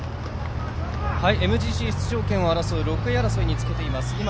ＭＧＣ出場権を争う６位争いにつけています。